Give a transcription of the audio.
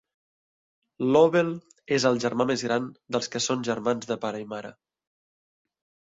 Lobel és el germà més gran dels que són germans de pare i mare.